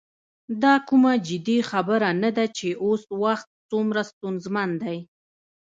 دا کومه جدي خبره نه ده چې اوس وخت څومره ستونزمن دی.